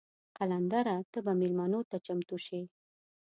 قلندره ته به میلمنو ته چمتو شې.